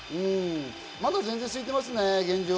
まだ全然すいてますね。